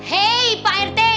hei pak rt